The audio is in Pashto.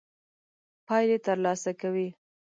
پايلې تر لاسه کوي.